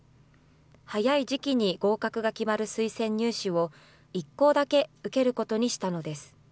早い時期に合格が決まる推薦入試を、１校だけ受けることにしたのです。